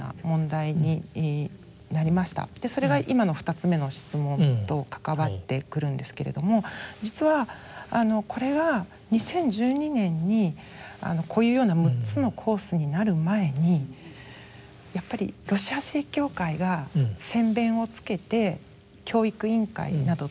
それが今の２つ目の質問と関わってくるんですけれども実はこれが２０１２年にこういうような６つのコースになる前にやっぱりロシア正教会が先鞭をつけて教育委員会などと連携していたんですね。